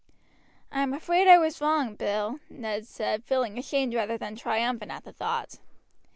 "I am afraid I was wrong, Bill," Ned said, feeling ashamed rather then triumphant at the thought.